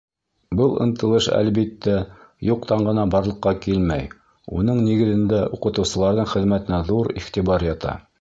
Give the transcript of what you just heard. Был ынтылыш, әлбиттә, юҡтан ғына барлыҡҡа килмәй, уның нигеҙендә уҡытыусыларҙың хеҙмәтенә ҙур иғтибар ята.